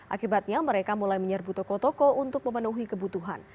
akibatnya mereka mulai menyerbu toko toko untuk memenuhi kebutuhan